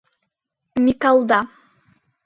Микалда.